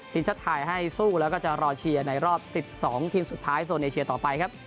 ทีมชาติไทยให้สู้แล้วก็จะรอเชียร์ในรอบ๑๒ทีมสุดท้ายโซนเอเชียต่อไปครับ